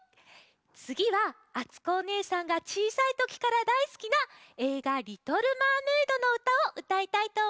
つぎはあつこおねえさんがちいさいときからだいすきなえいが「リトル・マーメイド」のうたをうたいたいとおもいます。